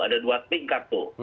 ada dua tingkat itu